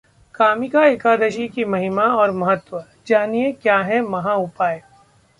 कामिका एकादशी की महिमा और महत्व, जानिए क्या है महाउपाय?